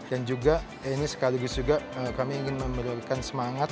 dan juga ini sekali lagi juga kami ingin memberikan semangat